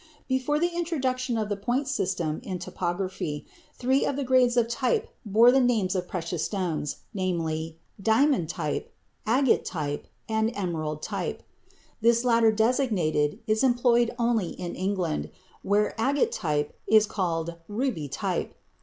Before the introduction of the "point" system in typography three of the grades of type bore the names of precious stones,—namely, "diamond type," "agate type," and "emerald type"; this latter designation is employed only in England, where "agate type" is called "ruby type."